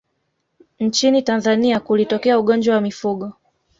nchini tanzania kulitokea ugonjwa wa mifugo